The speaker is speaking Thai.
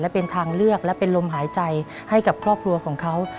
และเป็นทางเลือกและเป็นลมหายใจให้กับครอบครัวของเขา